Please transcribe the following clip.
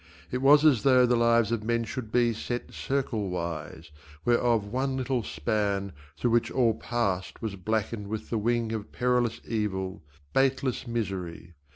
It was as though the lives of men should be Set circle wise, whereof one little span Through which all passed was blackened with the wing Of perilous evil, bateless misery.